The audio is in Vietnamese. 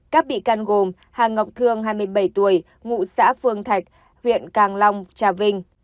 các bị can gồm hà ngọc thương hai mươi bảy tuổi ngụ xã phương thạch huyện càng long trà vinh